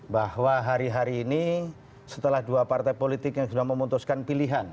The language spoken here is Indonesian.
bahwa hari hari ini setelah dua partai politik yang sudah memutuskan pilihan